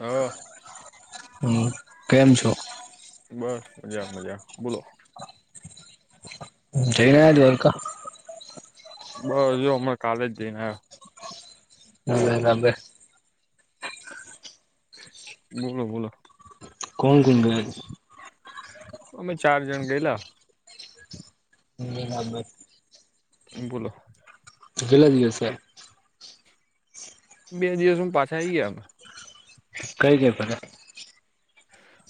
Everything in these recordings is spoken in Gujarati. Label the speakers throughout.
Speaker 1: હા
Speaker 2: હમ કેમ છો?
Speaker 1: બસ મજા મજા બોલો
Speaker 2: જઈ આયા દ્વારકા
Speaker 1: બસ જો હમણાં કાલે જ જઈને આયો.
Speaker 2: [unintelligible]
Speaker 1: બોલો બોલો
Speaker 2: કોણ કોણ ગયા તા
Speaker 1: અમે ચાર જણ ગેલા.
Speaker 2: હમ્મ ના બટ
Speaker 1: બોલો.
Speaker 2: કેલા દિવસ થ્યાં
Speaker 1: બે દિવસ માં પાછા આઈ ગ્યા અમે
Speaker 2: કઈ દે આપણે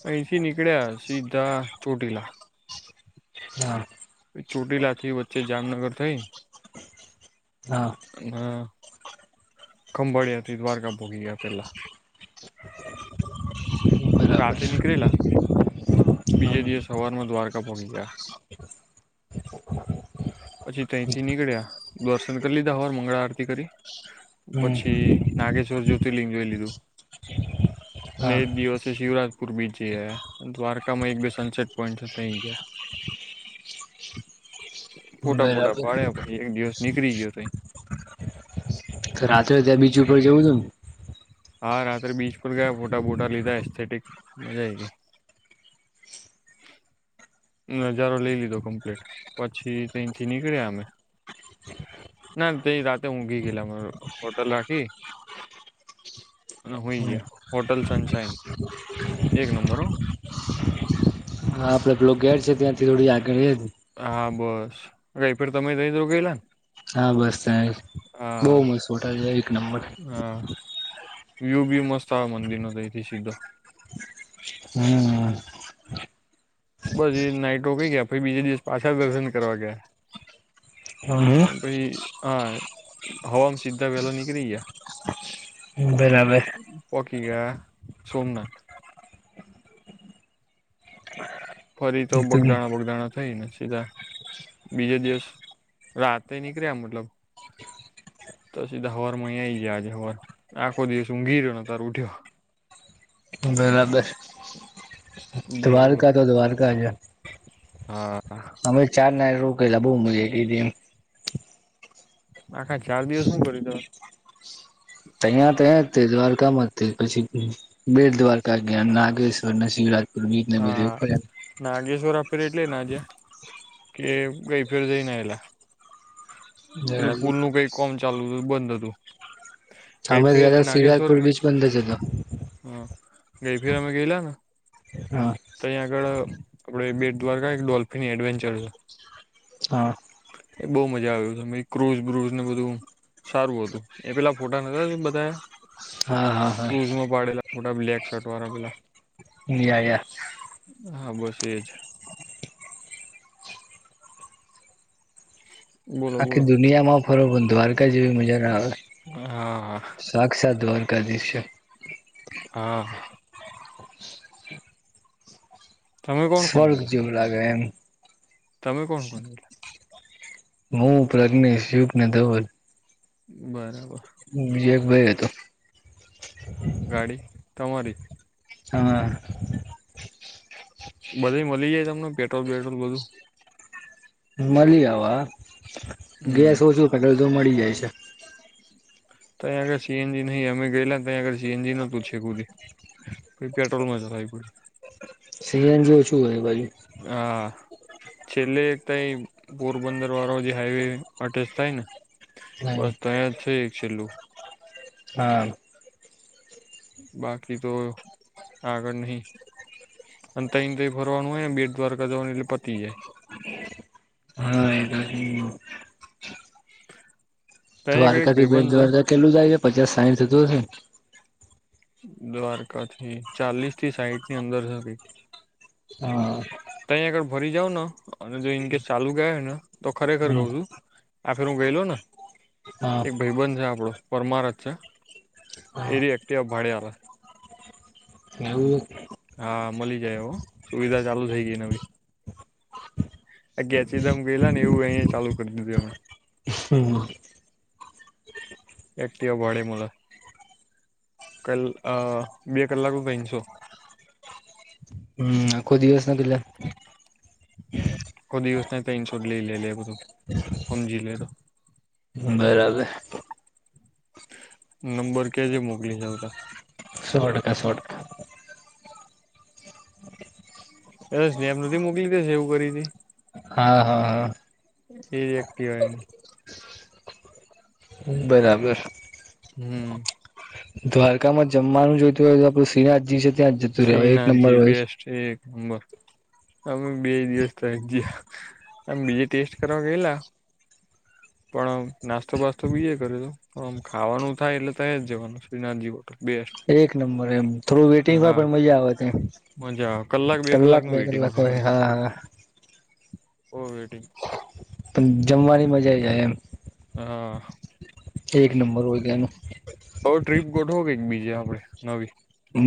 Speaker 1: અહી થી નીકળ્યા સીધા ચોટીલા
Speaker 2: હા.
Speaker 1: ચોટીલાથી વચ્ચે જામનગર થઈ
Speaker 2: હા.
Speaker 1: અન હા ખંભાળિયાથી દ્વારકા પોકી ગ્યા પેલા
Speaker 2: બરાબર
Speaker 1: રાતેે નીકળેલા
Speaker 2: હા
Speaker 1: બીજે દિવસ સવાર માં દ્વારકા પોકી ગયા. પછી તઈ થી નીકળ્યા દર્શન કરી લીધા હવાર મંગળ આરતી કરી
Speaker 2: હમ
Speaker 1: પછી નાગેશ્વર જ્યોતિર્લિંગ જોઈ લીધું અને
Speaker 2: હા
Speaker 1: એ જ દિવસ શિવરાજપુર બીચ જઈ આયા દ્વારકા માં એક બે સનસેટ પોઈન્ટ હતા ઈર્યા ફોટા બોટા
Speaker 2: બરાબર
Speaker 1: પાડ્યા પછી એક દિવસ નીકળી ગ્યો તઈ
Speaker 2: તો રાત્રે ત્યાં બીચ ઉપર જવું તુંન
Speaker 1: હા રાત્રે બીચ પર ગયા ફોટા બુટા લીધા એસ્થેટિક મજા આ આઇ ગઈ નજારો લઈ લીધો કમ્પ્લીટ પછી તઇથી નીકળ્યા અમે ના તે રાતે ઊંઘી ગયેલા હોટલ રાખી અને હોઈ
Speaker 2: ને
Speaker 1: ગ્યા
Speaker 2: હા
Speaker 1: હોટલ સનશાઈન એક નંબર હો
Speaker 2: હા આપડે પેલો કે છે કે થોડી આગળ એજ
Speaker 1: હા બસ ઐઠોર તમે રહેલો ગયેલા ને
Speaker 2: હા બસ તઈ બહું
Speaker 1: હા
Speaker 2: મસ્ત મોટા છે એક નંબર
Speaker 1: હા. વ્યુ બી મસ્ત આ મંદિર નો અય થી સીધો
Speaker 2: હમ્મ.
Speaker 1: બસ એ નાઇટો રોકાઈ ગયા પછી બીજે દિવસ પાછા દર્શન કરવા ગયા.
Speaker 2: હમ્મ હમ્મ.
Speaker 1: અને પછી હા હવામાં સીધા વેલા નીકળી ગ્યા.
Speaker 2: બરાબર.
Speaker 1: પોકી ગયા સોમનાથ ફરી તો બોગદાણા બોગદાણા થઈને સીધા બીજે દિવસ રાતે નીકળ્યા મતલબ તો સીધા હવાર માં અહીંયા આઈ ગયા આજે હવાર આખો દિવસ ઊંઘી રહ્યોને અતાર ઉઠ્યો
Speaker 2: બરાબર
Speaker 1: બોલો બોલો
Speaker 2: દ્વારકા તો દ્વારકા છે.
Speaker 1: હા કા
Speaker 2: અમે ચાર દાયલો રોકાયલા બહુ મજા આઈ ગીતી એમ.
Speaker 1: આખા ચાર દિવસ હું કર્યું તમે
Speaker 2: અહિયાયા તો એ તે દ્વારકામાં પછી બેટ દ્વારકા ગ્યા નાગેશ્વર ના શિવરાજ
Speaker 1: હા. નાગેશ્વર આપડે એટલે ના ગયા કે ગઈ ફેર જઈને આએલા પેલું
Speaker 2: ફર્યા
Speaker 1: પુલનું કઈ કોમ ચાલુ હતું તો બંધ હતું. ગઈ
Speaker 2: અમે
Speaker 1: ફેર
Speaker 2: ગયા તા શિવરાજપુર બીચ બંધ જ હતો.
Speaker 1: હ ગઈ ફિર અમે ગઈલાને
Speaker 2: હા.
Speaker 1: તહીં આગળ આપડે બેટ દ્વારકાએ એક ડોલ્ફિન એડવેન્ચર છે.
Speaker 2: હા.
Speaker 1: એ બહુ મજા આવે એવું તો અમે ક્રુઝ બ્રુઝને બધું સારું હતું એ પેલાં ફોટા નતા મેં બતાયા.
Speaker 2: હા હા.
Speaker 1: ક્રુઝમાં પાડેલા ફોટા બ્લેક શર્ટવાળા પેલાં
Speaker 2: એ આઈ યાર
Speaker 1: હા બસ એજ. બોલો
Speaker 2: આખી
Speaker 1: બોલો
Speaker 2: દુનિયામાં ફરો પણ દ્વારકા જેવી મજા ના આવે.
Speaker 1: હા.
Speaker 2: સાક્ષાત દ્વારકાધીશ છે.
Speaker 1: હા. તમે કોણ કોણ
Speaker 2: સ્વર્ગ
Speaker 1: ગયેલા
Speaker 2: જેવું લાગે એમ
Speaker 1: તમે કોણ કોણ ગયા?
Speaker 2: હું પ્રજ્ઞેશ, યુગને ધવલ
Speaker 1: બરાબર.
Speaker 2: બીજ એક ભાઈ હતો.
Speaker 1: ગાડી તમારી જ?
Speaker 2: હા.
Speaker 1: બધેય મલી જાય તમને પેટ્રોલ પેટ્રોલ બધું?
Speaker 2: મલી જાવા
Speaker 1: હમ
Speaker 2: ગેસ ઓછું પેટ્રોલ તો મલી જાય છે.
Speaker 1: તહીં આગળ સી એન જી નહીં અમે ગયેલાને તહીં આગળ સી એન જી નતુ છેક લગી. પહી પેટ્રોલમાં ચલાવી પડી.
Speaker 2: સી એન જી શું હોય ભાઈ?
Speaker 1: આ છેલ્લે તઈ પોરબંદરવાળો જે હાઈવે અટેચ થાયને. બસ તય જ છે એક છેલ્લું.
Speaker 2: હા.
Speaker 1: બાકી તો આગળ નહીં. અને તઈન તઈન ભરવાનું હોયને બેટ દ્વારકા જવાનું એટલે પતી જાય.
Speaker 2: હા એ તો [inaudible]
Speaker 1: ત્યાં આગળ એક
Speaker 2: દ્વારકાથી બેટ
Speaker 1: ભાઈબંધ છે
Speaker 2: દ્વારકા કેટલું જાય હે પચાસ સાઈઠ થતું હશેને?
Speaker 1: દ્વારકાથી ચાલીસથી સાઈઠની અંદર છે કંઈક
Speaker 2: અ હા.
Speaker 1: તહીં આગળ ભરી જાવન અને જો ઈન કેસ ચાલુ ગયા હોય ને તો ખરેખર
Speaker 2: હમ
Speaker 1: કઉ છું આ ફરી હું ગયલોને
Speaker 2: હા
Speaker 1: એક ભઈબંધ છે આપડો પરમાર જ છે. એરી એક્ટવા ભાડે આલે.
Speaker 2: એવું
Speaker 1: હા મલી જાય હો સુવિધા ચાલુ થઈ ગઈ નવી. અ ગેચીધામ ગયેલાને એવું અહીંયા ચાલુ કરી દીધું એમણે.
Speaker 2: હમ્મ.
Speaker 1: એક્ટવા ભાડે મલે ક અ બે કલાકના તઈન સો.
Speaker 2: ને આખો દિવસના કેટલા?
Speaker 1: આખો દિવસનાય તઈન સો જ લઈ લે લે બધું હમજી લે તો.
Speaker 2: બરાબર.
Speaker 1: નંબર કેજે મોકલી જાઉતો
Speaker 2: સો ટકા સા
Speaker 1: એ સ્નેપ નથી મોકલી દેશે એવું કરીને
Speaker 2: હા હા હા.
Speaker 1: એ કેન
Speaker 2: બરાબર.
Speaker 1: હમમ.
Speaker 2: દ્વારકામાં જમવાનું જોઈતું હોય તો આપડું શ્રીનાથજી છે ત્યાં જતું રહેવાય એક નંબર હોય.
Speaker 1: છે એક નંબર. અમે બે દિવસ ત્યાં ગીયા આમ બીજે ટેસ્ટ કરવા ગયેલા
Speaker 2: [inaudible]
Speaker 1: પણ નાસ્તો બાસ્તો બીજે કરેલો આમ ખાવાનું થાય એટલે તય જવાનું શ્રીનાથજી હોટલ બેસ્ટ.
Speaker 2: એક નંબર એમ થોડુ વેટિંગ હોય
Speaker 1: હા
Speaker 2: પણ મજા આવે. એમ કલાક, બે કલાક હોય હા હા.
Speaker 1: બો વેટિંગ.
Speaker 2: પણ જમવાની મજા જાય એમ.
Speaker 1: હા.
Speaker 2: એક નંબર હોય કેયાનું.
Speaker 1: હવે ટ્રીપ ગોઠવો કઈક બીજે આપડે નવી.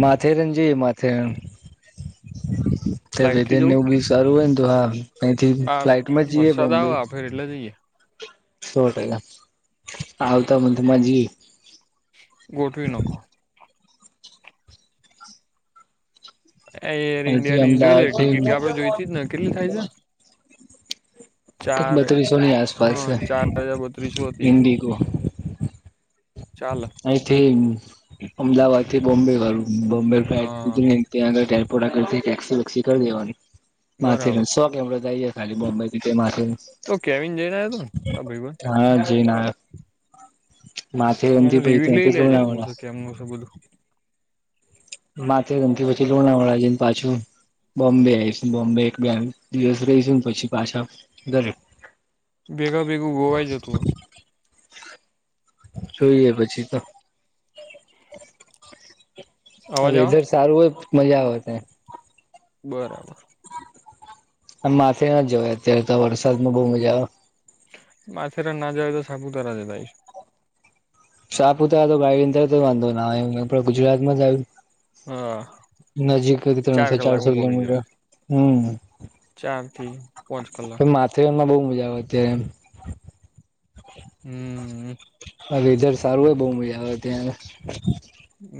Speaker 2: માથેરન જઈએ માથેરન [unintelligible]
Speaker 1: ફ્લાઇટ થી
Speaker 2: વેદન
Speaker 1: જવું
Speaker 2: ઓગીસ સારું હોય ને તો હા અયથી ફ્લાઈટમાં જઈએ બોમ્બે
Speaker 1: એકલા જઈએ
Speaker 2: સો ટકા આવતા મથમાં જીયે.
Speaker 1: ગોઠવી નાખો. એર
Speaker 2: અહીંથી
Speaker 1: ઇન્ડિયા ની જોઈ લે ટિકિટ
Speaker 2: અમદાવાદથી
Speaker 1: આપડે જોઈતી જ ને કેટલી થાય છે. ચાર
Speaker 2: બત્રીસો ની આસપાસ
Speaker 1: હા
Speaker 2: છે
Speaker 1: ચાર હજાર બત્રીસો હતી.
Speaker 2: ઇન્ડિગો
Speaker 1: ચાલે.
Speaker 2: અયથી અમદાવાદ થી બોમ્બે હારું બોમ્બે ફ્લાઈટ
Speaker 1: હા
Speaker 2: હુધી નય. ત્યાં આગળ એરપોર્ટ આગળ થી ટેક્સી વેકક્ષી કર દેવાની
Speaker 1: બરાબર
Speaker 2: માથેરાન સો કેમેરો થાય. ખાલી બોમ્બ થી કય માથે
Speaker 1: તો કેવીન જઈ આયો તો ને તારો ભઈબંધ
Speaker 2: હા જયને આયો માથેરાન થી પછી
Speaker 1: એવી લઈ
Speaker 2: ત્યાંથી
Speaker 1: લેજે હું
Speaker 2: લોનાવાલા
Speaker 1: છે કેમનું છે બધું?
Speaker 2: માથેરાન થી પછી લોણાવાળા જઈને પાછું બોમ્બે આવીશું બોમ્બે એક બે દિવસ રહીશું ને પછી પાછા ઘરે
Speaker 1: ભેગા ભેગું ગોવા જતુ હોય.
Speaker 2: જોઈએ પછી તો ત્યાં
Speaker 1: અવાજ આવે
Speaker 2: વેધર સારું હોય મજા આવે તા.
Speaker 1: બરાબર.
Speaker 2: હા માથેરાન જવાય અત્યારે તો વરસાદમાં બો મજા આવે.
Speaker 1: માથેરાન ના જવાય તો સાપુતારા જવાય.
Speaker 2: સાપુતારા તો બાઈ અંદર તો વાંધો ના ગુજરાતમાં જ આવ્યું.
Speaker 1: હા
Speaker 2: નજીક
Speaker 1: ચાર
Speaker 2: ત્રણસો ચારસો
Speaker 1: કલાકમાં
Speaker 2: કિલોમીટર હમમ.
Speaker 1: ચારથી પાંચ કલાક
Speaker 2: ટ્રેન માં બો મજા આવે અત્યારે એમ.
Speaker 1: હમમ.
Speaker 2: હા વેેધર સારું હોય બો મજા આવે ત્યાં આગળ.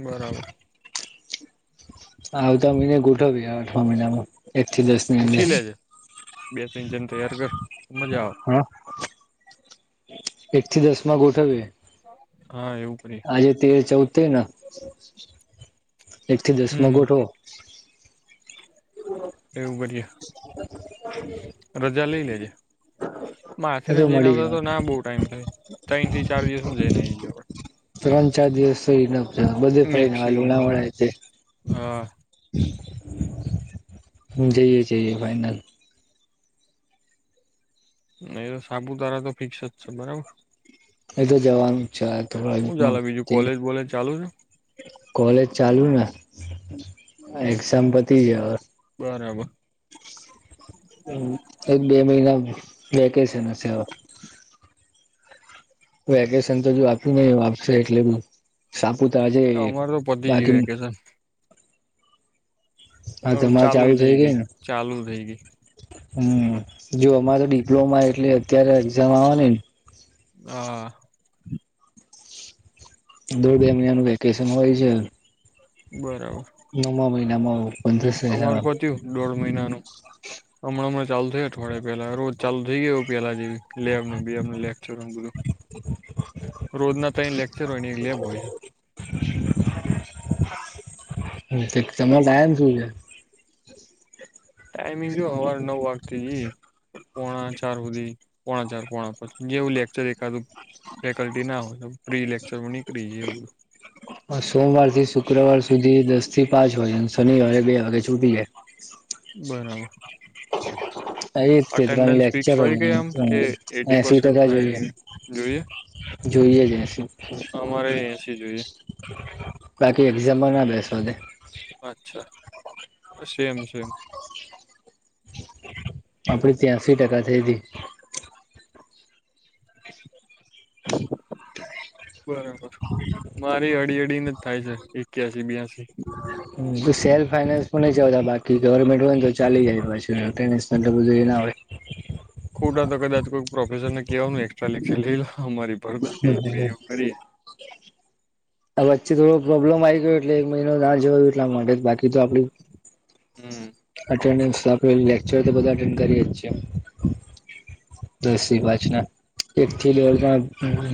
Speaker 1: બરાબર.
Speaker 2: આવતા મહિને ગોઠવ્યે આવતા મહિનામાં. એક થી દસ. ની અંદર
Speaker 1: પૂછી લેજે બે ત્રણ જણ તૈયાર કર મજા આવે.
Speaker 2: હા એક થી દસ માં ગ ઉઠવે
Speaker 1: હા એવું કરી
Speaker 2: આજે તેર ચૌતે ને એક થી દસમાં
Speaker 1: હમ
Speaker 2: ગોઠવો
Speaker 1: એવું બઢિયા રજા લઈ લેજ
Speaker 2: એટલે
Speaker 1: માછરેને જઈને
Speaker 2: મળી
Speaker 1: આવતા
Speaker 2: જવાનું
Speaker 1: તો ના બહુ ટાઈમ થાય ત્રણ થી ચાર દિવસ જઈને આવીઈ આપ
Speaker 2: ત્રણ ચાર દિવસ સુઈ ન બધે
Speaker 1: આપડે
Speaker 2: ફરીને
Speaker 1: મેક્સિમમ હા
Speaker 2: લુણાવણા છે
Speaker 1: હા
Speaker 2: જઈએ જઈએ ફાઈનલ
Speaker 1: ન તો સાપુતારા તો ફિક્સ જ છે બરાબર
Speaker 2: એ તો જવાનું છે
Speaker 1: હું
Speaker 2: થડાુમાં
Speaker 1: ચાલે બીજું કોલેજ બોલેજ ચાલુ છે
Speaker 2: કોલેજ ચાલુ ને એક્ઝામ પતી જ
Speaker 1: બરાબર
Speaker 2: હ એક બે મહિના વેકેશન સેવા વેકેશન તો જો આપ્યું ને આપશે એટલે બ સાપુ તો આજે
Speaker 1: અમારે તો પતી ગયું
Speaker 2: બાકી
Speaker 1: વેકેશન હ ચાલુ થઇ ગઈ ચાલુ થઇ ગઈ
Speaker 2: હમ જો અમારે ડિપ્લોમા એટલે અત્યારે એક્ઝામ આવવાની ને
Speaker 1: હા
Speaker 2: દોઢ બે મહિનાનું વેકેશન હોય છે
Speaker 1: બરાબર
Speaker 2: નવા મહિનામાં પંદરસ
Speaker 1: અમારે પત્યું દોઢ મહિનાનું હમણાં હણાં ચાલુ થયાઠવાડ પેલા રોજ ચાલુ થઈ ગયો એું પેહલા જેવી લેબ બે લેચ બધું
Speaker 2: [inaudible]
Speaker 1: રોજના તં લેક્ચર હોય ની એક લેબ હોય છે
Speaker 2: હ તમારા ટાયમ શું છે
Speaker 1: ટાઈમિંગ જો હવાર નવ વાગતી જ પોણા ચાર સુધી પોણા ચાર પોણા પછી જેવું લેક્ચર દેખાતું ફેકલ્ટી ના હોય પ્રી લેક્ચર નીકળી એવ બું
Speaker 2: સોમવાર થી શુક્રવાર સુધી દસ થી પાંચ વાગે શનિવારે બે વાગે છૂટી જાય
Speaker 1: બરાબર
Speaker 2: હ એ ત્રણ
Speaker 1: અટેન્ડન્સ ફિક્સ
Speaker 2: લેક્ચર
Speaker 1: હોય કે આમ કે
Speaker 2: ત્રણ
Speaker 1: એટી
Speaker 2: એસીી
Speaker 1: પર્સેન્ટ
Speaker 2: ટકા
Speaker 1: થાય
Speaker 2: જોઈએ
Speaker 1: જોઈએ
Speaker 2: જોઈએ જશે
Speaker 1: અમારે એસી જોઈએ
Speaker 2: બાકી એક્ઝામમાં ના બેસવા દે
Speaker 1: અચ્છા સેમ સેમ
Speaker 2: આપડી ત્યાસીી ટકા થઈ હતીી
Speaker 1: બરાબર મારી અડી અડીને જ થાય છે એક ક્યાસીી બ્યાસી
Speaker 2: હ હ ત સેલ્ફ ફાઈઇન્સ પણ નઈ જતા બાકી ગવર્મેન્ટ હોય ને તો ચાલી જાય પછી બધ એ ના હોય
Speaker 1: ખોટા તો કદાચ કો પ્રોફેસરને કેવાનું એસ્ટ્રા લેક્ચર લઈ લ અમારી પર કરી
Speaker 2: [inaudible] આ વચ્ચે થોડો પ્રોબ્લેમ આવી ગયો એટલે એક મહિનો ના જવા એટલા માટે બાકી તો આપડ
Speaker 1: હમ
Speaker 2: આપે લેક્ચર બધાન્ડ કરીએીએ દસથી પાચ ના એક થલી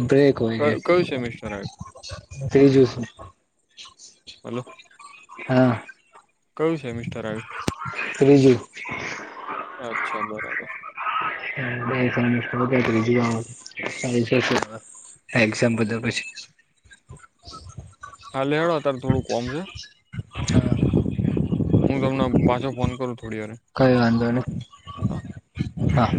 Speaker 2: બ્રેક કોઈ છે
Speaker 1: કયું સેમિસ્ટર આવ્યું
Speaker 2: ત્રીજું શું
Speaker 1: હલો
Speaker 2: હા
Speaker 1: કયું સેમિસ્ટર આવ્યું
Speaker 2: [unintelligible]
Speaker 1: અચ્છા બરાબર.
Speaker 2: બેસ જવાનું સા છસો. એક્ઝામ બદલ પછી.
Speaker 1: હા [inaudible] છે. હું તમને પાછો ફોન કરું થોડી વારે.
Speaker 2: કઈ વાંધો નહી
Speaker 1: હા
Speaker 2: હા.